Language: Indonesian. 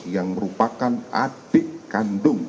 yang merupakan adik kandung